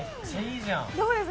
どうです？